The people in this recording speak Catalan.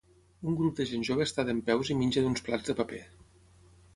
Un grup de gent jove està dempeus i menja d'uns plats de paper.